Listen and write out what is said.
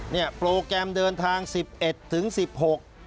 เนี่ยโปรแกรมเดินทาง๑๑ถึง๑๖นาที